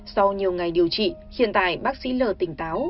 sau nhiều ngày điều trị hiện tại bác sĩ lờ tỉnh táo